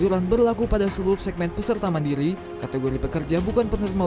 dan bukan pekerja